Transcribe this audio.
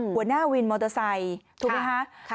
หัวหน้าวินมอเตอร์ไซค์ถูกไหมคะ